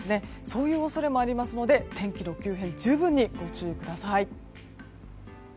そういう恐れもあるので天気の急変には十分にご注意ください。